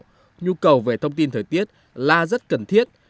nhưng nhu cầu về thông tin thời tiết là rất cần thiết